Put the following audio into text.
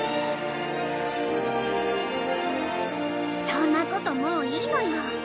そんなこともういいのよ。